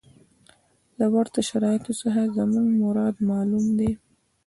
له ورته شرایطو څخه زموږ مراد معلوم دی.